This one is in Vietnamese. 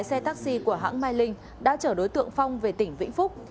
xe taxi của hãng mai linh đã trở đối tượng phong về tỉnh vĩnh phúc